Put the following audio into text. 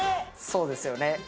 そうですよね。